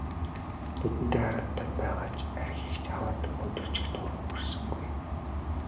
Нүдэндээ харагдаад байгаа архийг ч аваад хөнтөрчих дур хүрсэнгүй.